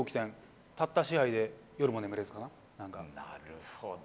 なるほど。